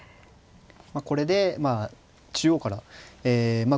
これでまあ中央からえまあ